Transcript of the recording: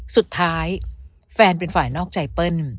สุดท้ายแฟนเป็นฝ่ายนอกใจเปิ้ล